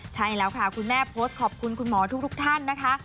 ใช่แล้วค่ะคุณแม่โพสต์ขอบคุณคุณหมอทุกท่านนะคะ